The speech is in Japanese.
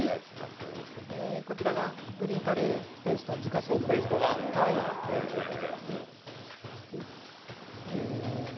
こちらがグリーンカレーペースト自家製のものです。